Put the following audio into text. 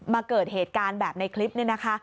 เกิดเหตุการณ์แบบในคลิปนี้นะคะ